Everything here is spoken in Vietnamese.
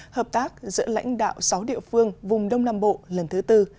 hợp tác giữa lãnh đạo sáu địa phương vùng đông nam bộ lần thứ tư